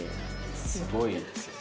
すごいですよ。